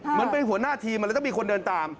เหมือนเป็นหัวหน้าทีมมันเลยต้องมีคนเดินตาม